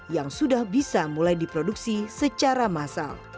yang sudah bisa mulai diproduksi secara massal